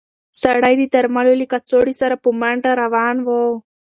سړی د درملو له کڅوړې سره په منډه روان و.